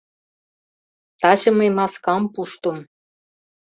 — Таче мый маскам пуштым...